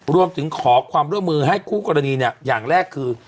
รวมถึงขอความร่วมมือให้คู่กรณีเนี่ยอย่างแรกคือ